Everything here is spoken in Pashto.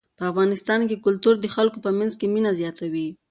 په افغانستان کې کلتور د خلکو په منځ کې مینه زیاتوي.